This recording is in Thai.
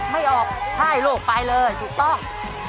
ไม่ออกใช่ลูกไปเลยถูกต้อง